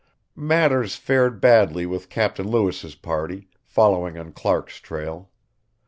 Matters fared badly with Captain Lewis's party, following on Clark's trail.